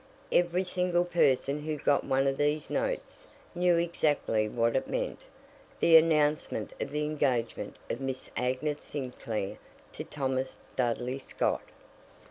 Every single person who got one of these notes knew exactly what it meant the announcement of the engagement of Miss Agnes Sinclair to Thomas Dudley Scott.